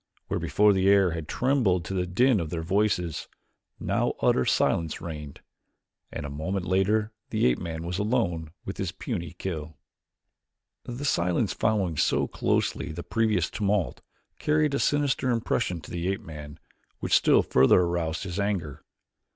Where before the air had trembled to the din of their voices, now utter silence reigned and a moment later the ape man was alone with his puny kill. The silence following so closely the previous tumult carried a sinister impression to the ape man, which still further aroused his anger.